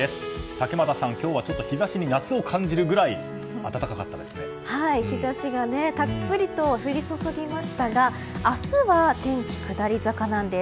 竹俣さん、今日は日差しに夏を感じるくらい日差しがたっぷりと降り注ぎましたが明日は、天気下り坂なんです。